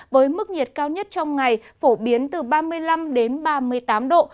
với mức nhiệt cao nhất trong ngày phổ biến từ ba mươi năm đến ba mươi tám độ